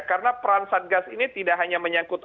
karena peran satgas ini tidak hanya menyangkut